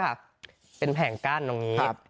ใช่ค่ะเป็นแผงก้านตรงนี้